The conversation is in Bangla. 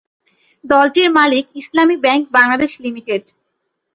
দলটির মালিক ইসলামী ব্যাংক বাংলাদেশ লিমিটেড।